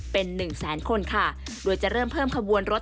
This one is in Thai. เป็นหนึ่งแสนคนค่ะโดยจะเริ่มเพิ่มขบวนรถ